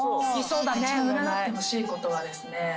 一番占ってほしいことはですね